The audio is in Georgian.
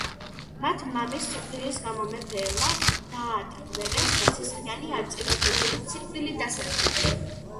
მათ მამის სიკვდილის გამო მეფე ელა დაატყვევეს და სისხლიანი არწივის მეთოდით სიკვდილით დასაჯეს.